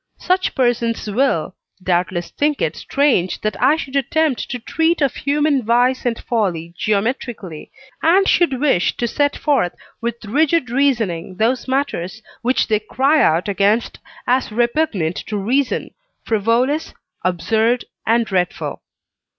Such persons will, doubtless think it strange that I should attempt to treat of human vice and folly geometrically, and should wish to set forth with rigid reasoning those matters which they cry out against as repugnant to reason, frivolous, absurd, and dreadful.